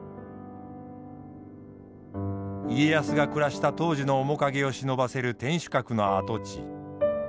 家康が暮らした当時の面影をしのばせる天守閣の跡地。